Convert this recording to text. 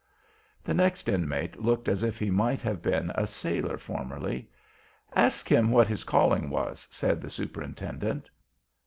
The next Inmate looked as if he might have been a sailor formerly. "Ask him what his calling was," said the Superintendent.